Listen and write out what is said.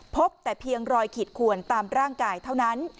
พบแต่เพียงรอยขีดขวนตามร่างกายเท่านั้น